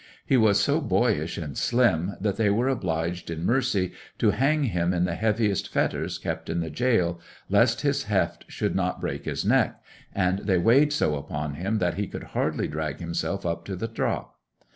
He was so boyish and slim that they were obliged in mercy to hang him in the heaviest fetters kept in the jail, lest his heft should not break his neck, and they weighed so upon him that he could hardly drag himself up to the drop.